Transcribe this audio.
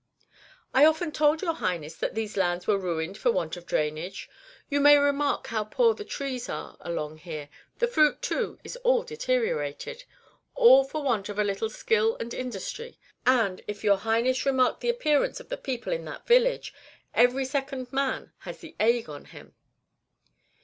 "I often told your Highness that these lands were ruined for want of drainage. You may remark how poor the trees are along here; the fruit, too, is all deteriorated, all for want of a little skill and industry. And, if your Highness remarked the appearance of the people in that village, every second man has the ague on him."